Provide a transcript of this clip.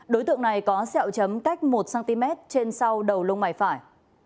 đối tượng này có sẹo chấm cách một cm trên sau đầu lông mày phải